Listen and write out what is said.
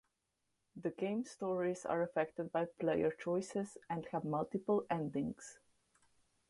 The games' stories are affected by player choices, and have multiple endings.